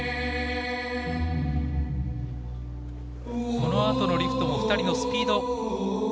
このあとのリフトを２人のスピード。